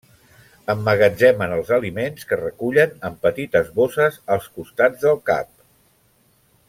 Emmagatzemen els aliments que recullen en petites bosses als costats del cap.